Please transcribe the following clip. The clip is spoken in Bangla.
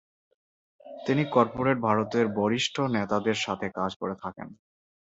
তিনি কর্পোরেট ভারতের বরিষ্ঠ নেতাদের সাথে কাজ করে থাকেন।